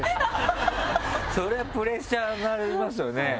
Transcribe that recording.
それはプレッシャーなりますよね。